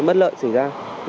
mất lợi xảy ra